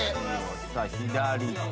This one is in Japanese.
さあ左手。